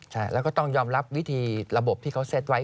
ใช่แล้วก็ต้องยอมรับวิธีระบบที่เขาเซ็ตไว้